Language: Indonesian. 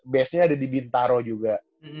base nya ada di bintaro juga